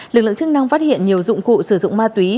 lực lượng chức năng phát hiện nhiều dụng cụ sử dụng ma túy